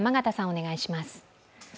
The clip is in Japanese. お願いします。